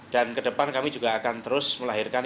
dan ke depan kami juga akan terus melahirkan